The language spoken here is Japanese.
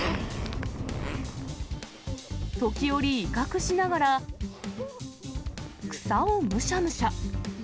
時折、威嚇しながら、草をむしゃむしゃ。